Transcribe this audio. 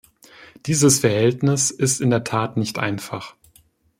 Dieses Verhältnis ist in der Tat nicht einfach.